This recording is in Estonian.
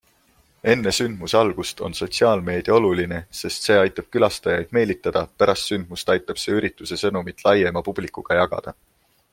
Enne sündmuse algust on sotsiaalmeedia oluline, sest see aitab külastajaid meelitada, pärast sündmust aitab see ürituse sõnumit laiema publikuga jagada.